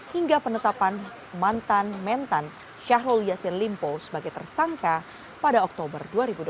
hingga penetapan mantan mentan syahrul yassin limpo sebagai tersangka pada oktober dua ribu dua puluh